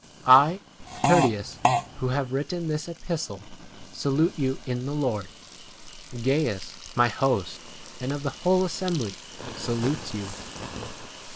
22 I Tertius, who have written this epistle, salute you in [the] 23 Lord. Gains my host and of the whole assembly, salutes you.